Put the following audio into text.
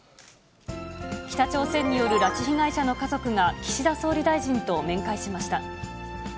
北朝鮮による拉致被害者の家族が、岸田総理大臣と面会しました。